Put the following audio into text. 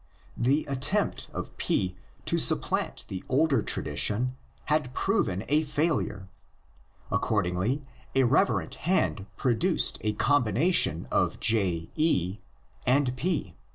The attempt of P to supplant the older tradition had proven a failure; accordingly a reverent hand produced a combina tion of JE and P.